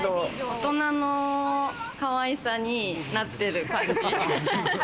大人の可愛さになってる感じ。